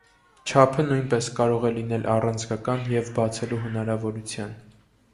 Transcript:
Չափը նույնպես կարող է լինել առաձգական և բացելու հնարավորության։